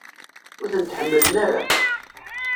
Ur tent-ḥemmlen ara?